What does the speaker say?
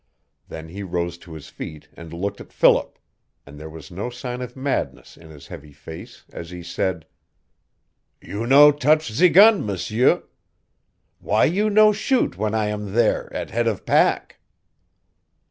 Then he rose to his feet and looked at Philip, and there was no sign of madness in his heavy face as he said, "You no touch ze gun, m'sieu. Why you no shoot when I am there at head of pack?"